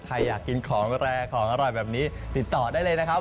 ใครอยากกินของแรงของอร่อยแบบนี้ติดต่อได้เลยนะครับ